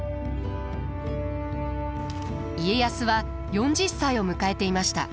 家康は４０歳を迎えていました。